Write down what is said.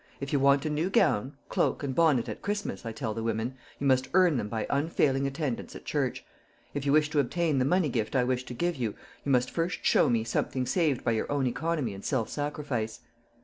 'If you want a new gown, cloak, and bonnet at Christmas,' I tell the women, 'you must earn them by unfailing attendance at church. If you wish to obtain the money gift I wish to give you, you must first show me something saved by your own economy and self sacrifice.'